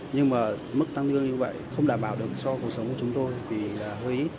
nhưng mà mức tăng lương như vậy không đảm bảo được cho cuộc sống của chúng tôi vì hơi ít